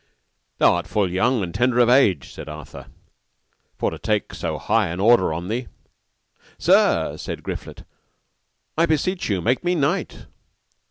Thou art full young and tender of age, said Arthur, for to take so high an order on thee. Sir, said Griflet, I beseech you make me knight.